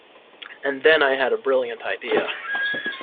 And then I had a brilliant idea.